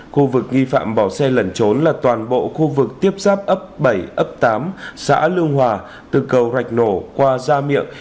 khu vực nghi phạm bỏ xe lẩn trốn là toàn bộ khu vực tiếp giáp ấp bảy ấp tám xã lương hòa từ cầu rạch nổ qua gia miệng